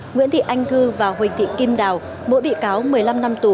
nguyễn thị anh thư và huỳnh thị kim đào mỗi bị cáo một mươi năm năm tù